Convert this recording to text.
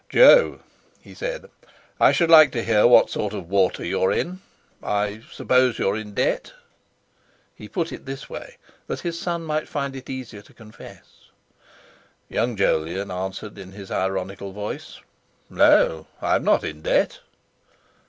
"Jo," he said, "I should like to hear what sort of water you're in. I suppose you're in debt?" He put it this way that his son might find it easier to confess. Young Jolyon answered in his ironical voice: "No! I'm not in debt!"